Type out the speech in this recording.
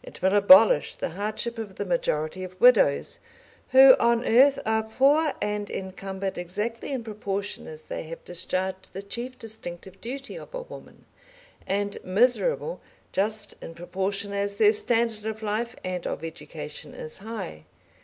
It will abolish the hardship of the majority of widows, who on earth are poor and encumbered exactly in proportion as they have discharged the chief distinctive duty of a woman, and miserable, just in proportion as their standard of life and of education is high.